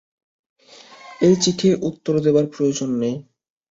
এই চিঠির উত্তর দেবার প্রয়োজন নেই।